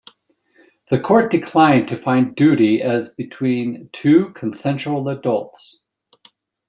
The court declined to find duty as between two consensual adults.